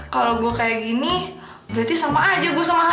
kalau gue kayak gini berarti semua gue sama dia